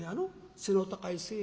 背の高い清。